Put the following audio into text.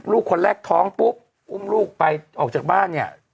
ลูกคนแรกท้องปุ๊บอุ้มลูกไปออกจากบ้านเนี่ย